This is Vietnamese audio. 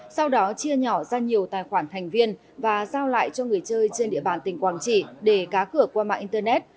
sau đó chia nhỏ ra nhiều tài khoản thành viên và giao lại cho người chơi trên địa bàn tỉnh quảng trị để cá cửa qua mạng internet